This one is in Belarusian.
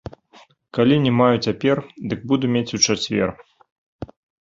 Калі не маю цяпер, дык буду мець у чацвер.